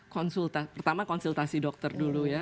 konsultasi pertama konsultasi dokter dulu ya